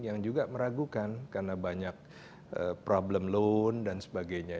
yang juga meragukan karena banyak problem loan dan sebagainya